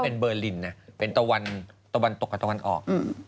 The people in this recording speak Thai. เมรินเป็นตะวันตกกันตะวันออก